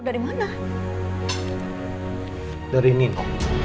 dari mana dari nino